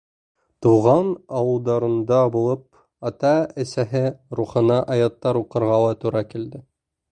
Тыуған ауылдарында булып, ата-әсәһе рухына аяттар уҡырға ла тура килде.